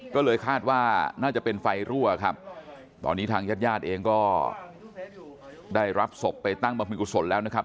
ก็เลยคาดว่าน่าจะเป็นไฟรั่วครับตอนนี้ทางญาติญาติเองก็ได้รับศพไปตั้งบรรพิกุศลแล้วนะครับ